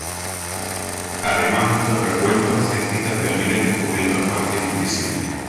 Además, estos recuentos de citas permiten descubrir los colegios invisibles.